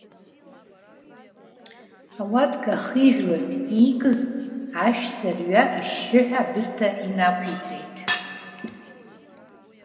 Ауатка ахижәларц иикыз ашәса рҩа, ашьшьыҳәа абысҭа инақәиҵеит.